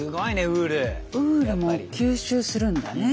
ウールも吸収するんだね。